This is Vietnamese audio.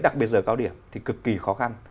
đặc biệt giờ cao điểm thì cực kỳ khó khăn